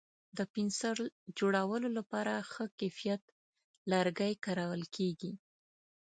د پنسل جوړولو لپاره ښه کیفیت لرګی کارول کېږي.